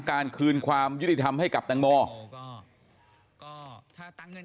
การคืนความยุติธรรมให้กับทางโม